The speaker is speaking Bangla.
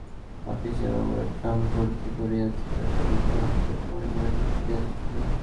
আপিসের বাবুরা ট্র্যাম ভরতি করিয়া থিয়েটারের বিজ্ঞাপন পড়িতে পড়িতে বাসায় ফিরিয়া চলিল ।